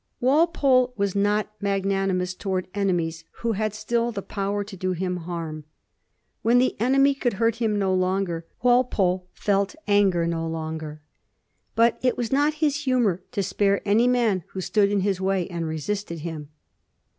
Walpole was not magnanimous towards enemies who had still the power to do him harm. When the enemy could hurt him no longer, Walpole felt anger no longer; 4 A HISTOBT OF THE FOUR GEORGES. cb.zzl but it was not his humor to spare any man who stood in his way and resisted him.